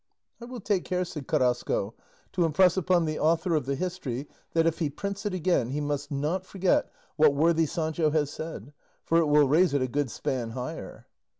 "I will take care," said Carrasco, "to impress upon the author of the history that, if he prints it again, he must not forget what worthy Sancho has said, for it will raise it a good span higher."